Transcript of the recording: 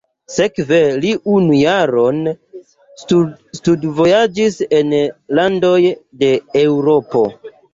Sekve li unu jaron studvojaĝis en landoj de Eŭropo.